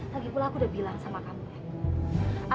lagi pula aku udah bilang sama kamu ya